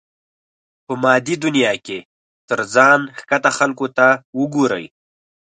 په مادي دنيا کې تر ځان ښکته خلکو ته وګورئ.